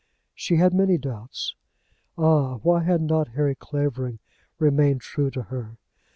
She had many doubts. Ah! why had not Harry Clavering remained true to her?